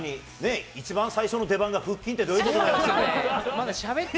一番最初の出番が腹筋ってどういうことだよって。